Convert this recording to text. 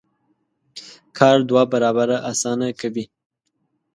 کار دوه برابره اسانه کوي.